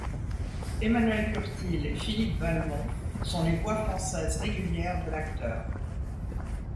Emmanuel Curtil et Philippe Valmont sont les voix françaises régulières de l'acteur.